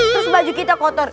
terus baju kita kotor